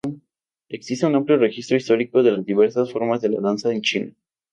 Existe un amplio registro histórico de las diversas formas de la danza en China.